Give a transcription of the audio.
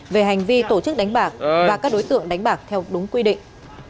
về hành vi tổ chức đánh bạc và các đối tượng đánh bạc theo đúng quy định